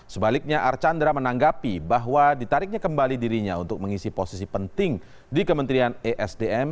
sebaliknya archandra menanggapi bahwa ditariknya kembali dirinya untuk mengisi posisi penting di kementerian esdm